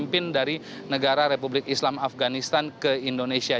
pemimpin dari negara republik islam afganistan ke indonesia